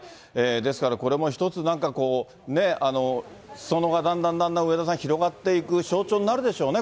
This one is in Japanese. ですから、これも一つ、なんかこう、すそ野がだんだんだんだん広がっていく象徴になるでしょうね。